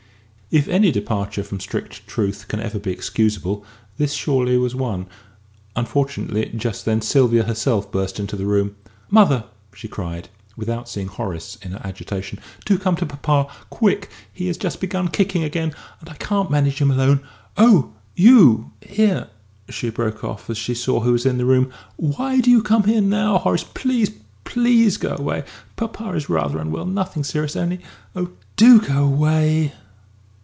If any departure from strict truth can ever be excusable, this surely was one; unfortunately, just then Sylvia herself burst into the room. "Mother," she cried, without seeing Horace in her agitation, "do come to papa, quick! He has just begun kicking again, and I can't manage him alone.... Oh, you here?" she broke off, as she saw who was in the room. "Why do you come here now, Horace? Please, please go away! Papa is rather unwell nothing serious, only oh, do go away!"